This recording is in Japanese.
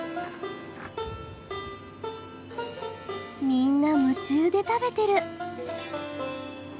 みんな夢中で食べてる。